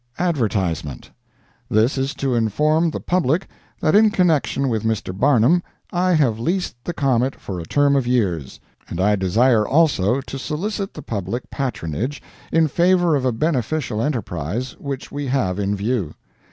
] ADVERTISEMENT This is to inform the public that in connection with Mr. Barnum I have leased the comet for a term of years; and I desire also to solicit the public patronage in favor of a beneficial enterprise which we have in view.